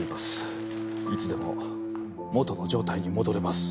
いつでも元の状態に戻れます。